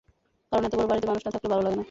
কারণ এত বড় বাড়িতে মানুষ না-থাকলে ভালো লাগে না।